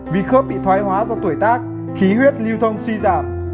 vì khớp bị thoái hóa do tuổi tác khí huyết lưu thông suy giảm